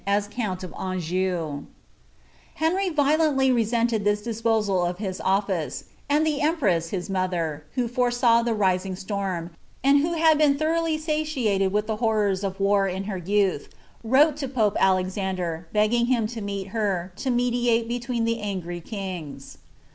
as count of .^njou. Heniy leated this disposal of his otTice ; and the empress his mother. V the rising storm, and who had been thoroughly satialed ifron of war in her youth, wrote lo pope Alexander, begging ■ her, to mediate between the angry kings.